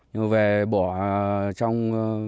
nhưng mà về bỏ trong